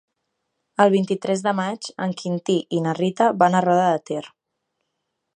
El vint-i-tres de maig en Quintí i na Rita van a Roda de Ter.